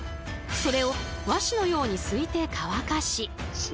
それを和紙のようにすいて乾かし